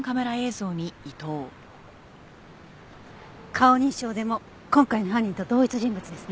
顔認証でも今回の犯人と同一人物ですね。